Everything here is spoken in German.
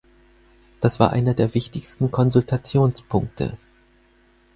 Das war einer der wichtigsten Konsultationspunkte.